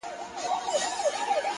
پوهه د شکونو ورېځې لرې کوي!.